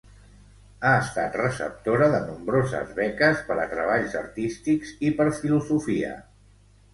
Ha estat receptora de nombroses beques per a treballs artístics i per filosofia.